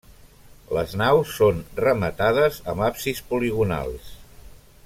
Les naus són rematades amb absis poligonals.